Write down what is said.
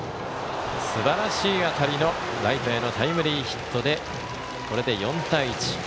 すばらしい当たりのライトへのタイムリーヒットでこれで４対１。